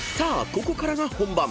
ここからが本番］